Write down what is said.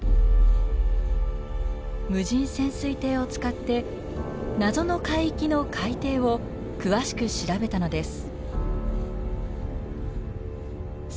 無人潜水艇を使って謎の海域の海底を詳しく調べたのです。